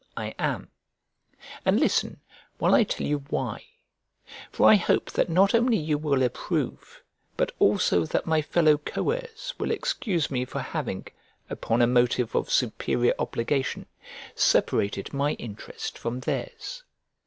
I am; and listen, while I tell you why, for I hope that not only you will approve, but also that my fellow coheirs will excuse me for having, upon a motive of superior obligation, separated my interest from theirs.